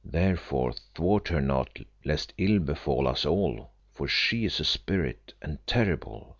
Therefore thwart her not lest ill befall us all, for she is a spirit and terrible.